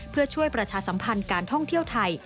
เพื่อช่วยประชาสัมพันธ์การท่องเที่ยวไทย